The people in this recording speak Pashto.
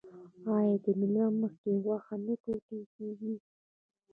آیا د میلمه په مخکې غوښه نه ټوټه کیږي؟